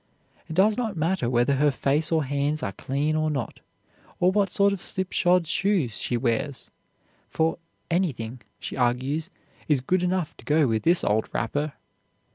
It does not matter whether her face or hands are clean or not, or what sort of slipshod shoes she wears, for "anything," she argues, "is good enough to go with this old wrapper."